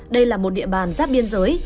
đây là một địa bàn giáp biên giới